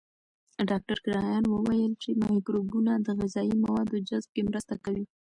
ډاکټر کرایان وویل چې مایکروبونه د غذایي موادو جذب کې مرسته کوي.